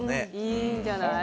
いいんじゃない？